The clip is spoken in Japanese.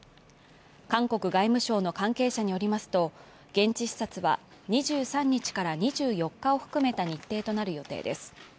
韓国外務省の関係者によりますと現地視察は２３日から２４日を含めた日程となる予定です。